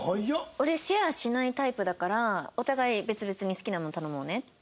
俺シェアしないタイプだからお互い別々に好きなもの頼もうね。